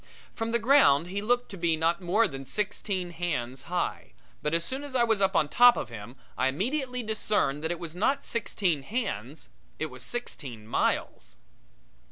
From the ground he looked to be not more than sixteen hands high, but as soon as I was up on top of him I immediately discerned that it was not sixteen hands it was sixteen miles.